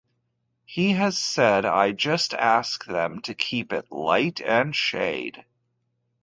He has said, I just ask them to keep it light and shade.